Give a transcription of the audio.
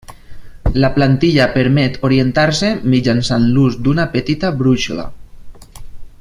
La plantilla permet orientar-se mitjançant l'ús d'una petita brúixola.